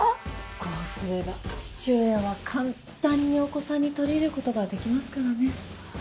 ⁉こうすれば父親は簡単にお子さんに取り入ることができますからね。